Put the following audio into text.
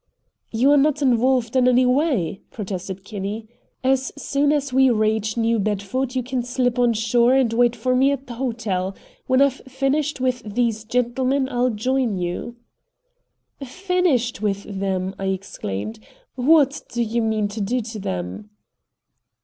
"You are not involved in any way," protested Kinney. "As soon as we reach New Bedford you can slip on shore and wait for me at the hotel. When I've finished with these gentlemen, I'll join you." "Finished with them!" I exclaimed. "What do you mean to do to them?"